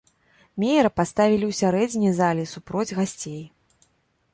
Меера паставілі ў сярэдзіне залі супроць гасцей.